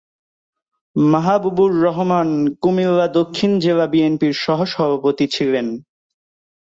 মাহবুবুর রহমান কুমিল্লা দক্ষিণ জেলা বিএনপির সহসভাপতি ছিলেন।